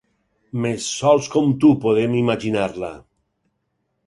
Mes sols com tu podem imaginar-la.